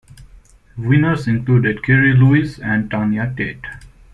Winners included Kerry Louise and Tanya Tate.